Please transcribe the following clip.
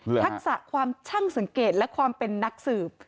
ทักษะความช่างสังเกตและความเป็นนักสืบ